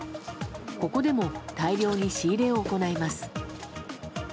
ここでも大量に仕入れを行います。